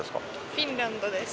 フィンランドです。